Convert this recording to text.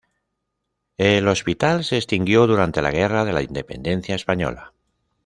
El hospital se extinguió durante la Guerra de la Independencia Española.